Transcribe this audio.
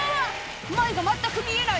前が全く見えない！